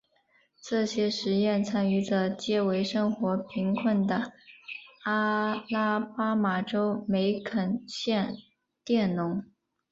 这些实验参与者皆为生活贫困的阿拉巴马州梅肯县佃农。